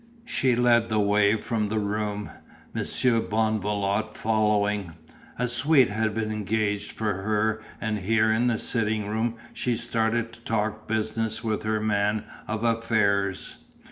She led the way from the room, Monsieur Bonvalot following. A suite had been engaged for her and here in the sitting room she started to talk business with her man of affairs.